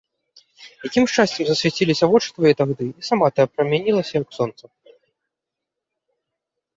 Якім шчасцем засвяціліся вочы твае тагды і сама ты абпрамянілася, як сонца!